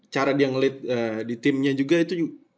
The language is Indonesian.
cara dia ngelit di timnya juga itu